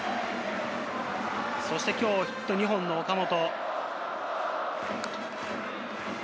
そして今日ヒット２本の岡本。